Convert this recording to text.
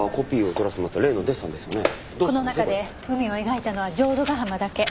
この中で海を描いたのは浄土ヶ浜だけ。